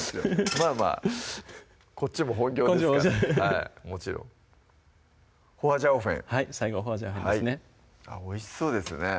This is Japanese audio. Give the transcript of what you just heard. まぁまぁこっちも本業ですからもちろん花椒粉はい最後花椒粉ですねおいしそうですね